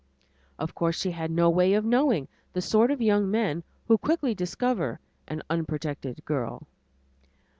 Of course she had no way of knowing the sort of young men who quickly discover an unprotected girl.